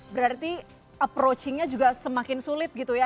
berarti approachingnya juga semakin sulit gitu ya